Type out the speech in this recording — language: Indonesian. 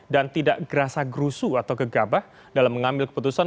dan tidak gerasa gerusu atau gegabah dalam mengambil keputusan